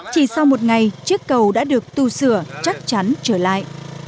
chỉ sau một ngày chiếc cầu đã được tu sửa chắc chắn trở lại